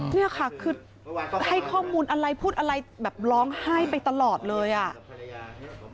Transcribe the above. เนี่ยค่ะคือให้ข้อมูลอะไรพูดอะไรแบบร้องไห้ไปตลอดเลยอ่ะ